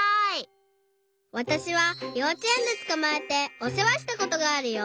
わたしはようちえんでつかまえておせわしたことがあるよ！